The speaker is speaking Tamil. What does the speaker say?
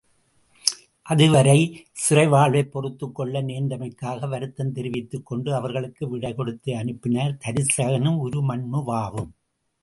அதுவரை சிறை வாழ்வைப் பொறுத்துக்கொள்ள நேர்ந்தமைக்காக வருத்தந் தெரிவித்துக்கொண்டு அவர்களுக்கு விடை கொடுத்து அனுப்பினர் தருசகனும் உருமண்ணுவாவும்.